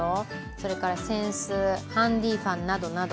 それから扇子、ハンディファンなどなど。